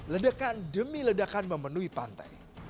ledakan demi ledakan memenuhi pantai